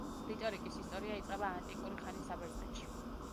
რიტორიკის ისტორია იწყება ანტიკური ხანის საბერძნეთში.